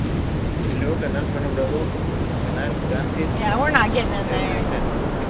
El nuevo canal fue nombrado canal Gante-Terneuzen.